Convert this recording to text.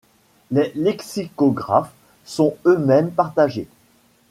Les lexicographes sont eux-mêmes partagés.